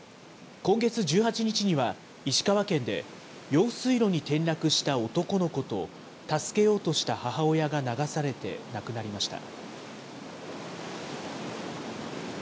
今月１８日には、石川県で用水路に転落した男の子と助けようとした母親が流されて亡くなりました。